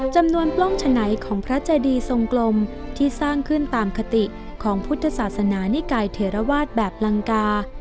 ปล้องฉะไหนของพระเจดีทรงกลมที่สร้างขึ้นตามคติของพุทธศาสนานิกายเถระวาสแบบลังกา